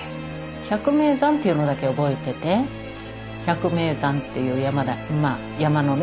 百名山っていうのだけ覚えてて百名山っていう山のね